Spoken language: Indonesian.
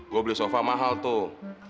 gue beli sofa mahal tuh